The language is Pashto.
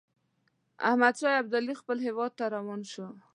احمدشاه ابدالي خپل هیواد ته روان شو.